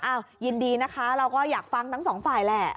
ยินดีนะคะเราก็อยากฟังทั้งสองฝ่ายแหละ